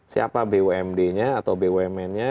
siapa bumd nya atau bumn nya